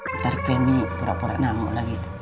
ntar kemi pura pura nangok lagi